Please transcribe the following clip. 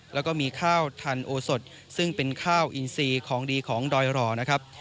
แล้วก็มีข้าวทันโอสดซึ่งเป็นข้าวอินซีของดีของดอยหล่อนะครับ